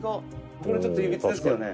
「これちょっといびつですよね」